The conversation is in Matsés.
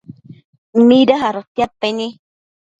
mida adotiadpaini